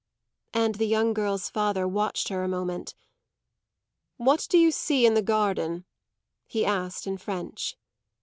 And the young girl's father watched her a moment. "What do you see in the garden?" he asked in French.